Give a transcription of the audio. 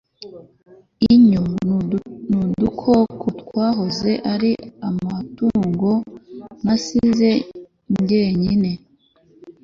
inyo nudukoko twahoze ari amatungo nasize jyenyine